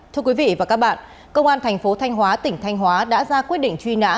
thưa quý vị và các bạn công an thành phố thanh hóa tỉnh thanh hóa đã ra quyết định truy nã